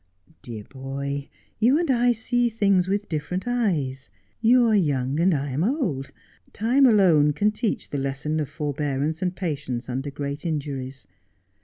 ' Dear boy, you and I see things with different eyes. You are young and I am old. Time alone can teach the lesson of for bearance and patience under great injuries.